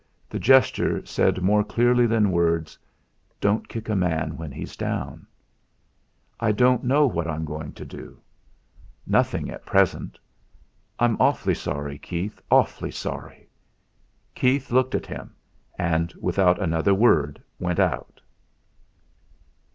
The gesture said more clearly than words: 'Don't kick a man when he's down!' "I don't know what I'm going to do nothing at present. I'm awfully sorry, Keith; awfully sorry." Keith looked at him, and without another word went out.